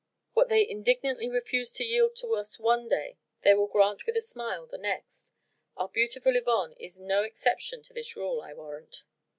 What they indignantly refuse to yield to us one day, they will grant with a smile the next. Our beautiful Yvonne is no exception to this rule, I'll warrant."